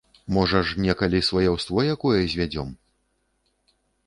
Можа ж, некалі сваяўство якое звядзём.